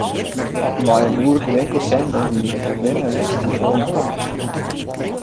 Nei in oerke winkels sjen gongen myn freondinne en ik lekker oan 'e kofje.